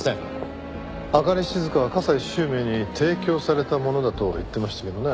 朱音静は加西周明に提供されたものだと言ってましたけどね。